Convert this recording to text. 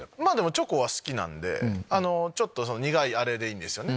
チョコは好きなんで苦いあれでいいんですよね。